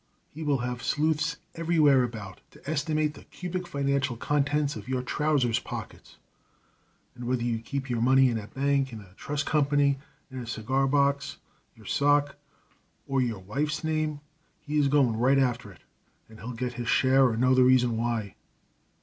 He will have sleuths everywhere about to estimate the cubic financial contents of your trousers' pockets, and whether you keep your money in a bank, in a trust company, in a cigar box, your sock, or your wife's name, he is going right after it, and he'll get his share or know the reason why.